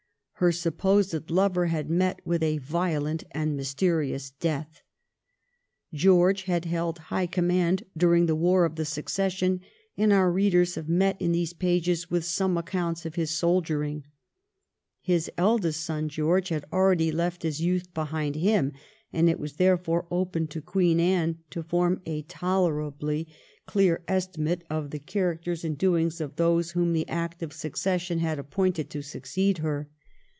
Her supposed lover had met with a violent and mysterious death. George had held high command during the war of the Succession; and our readers have met in these pages with some accounts of his soldiering. His eldest son, George, had already left his youth behind him, and it was therefore open to Queen Anne to form a tolerably 270 THE REIGN OF QUEEN ANNE. ch. xxxm. clear estimate of the characters and doings of those whom the Act of Settlement had appointed to succeed her.